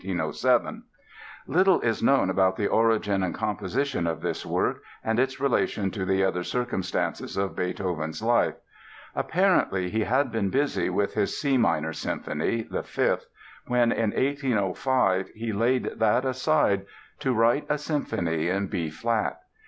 Little is known about the origin and composition of this work and its relation to the other circumstances of Beethoven's life. Apparently he had been busy with his C minor Symphony (the Fifth) when in 1805 he laid that aside to write a symphony in B flat.